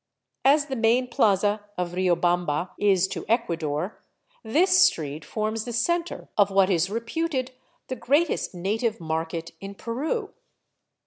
As the main plaza of Riobamba is to Ecuador, this street forms the center of what is reputed the greatest native market in Peru.